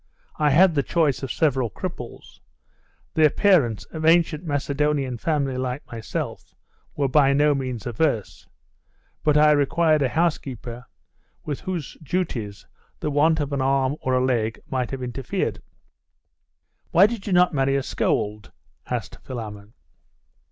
I had the choice of several cripples their parents, of ancient Macedonian family like myself, were by no means adverse; but I required a housekeeper, with whose duties the want of an arm or a leg might have interfered.' 'Why did you not marry a scold?' asked Philammon.